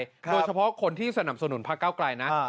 โดยเฉพาะคนที่สนับสนุนพระเก้าไกลนะ